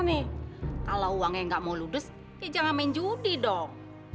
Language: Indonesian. kalau uangnya nggak mau ludes jangan main judi dong